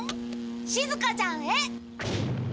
しずかちゃんへ。